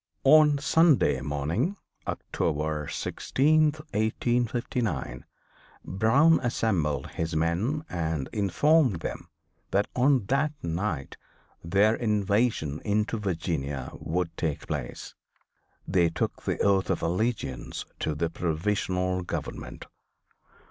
On Sunday morning, October 16th, 1859, Brown assembled his men and informed them that on that night their invasion into Virginia would take place. They took the oath of allegiance to the "Provisional Government."